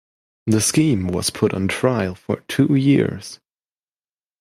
The Scheme was put on trial for two years.